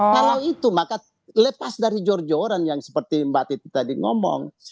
kalau itu maka lepas dari jor joran yang seperti mbak titi tadi ngomong